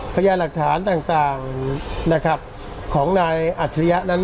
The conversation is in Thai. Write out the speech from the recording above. พญาหลักฐานต่างต่างนะครับของนายอัศริยะนั้น